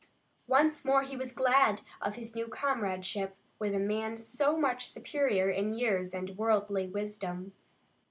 Once more he was glad of his new comradeship with a man so much his superior in years and worldly wisdom.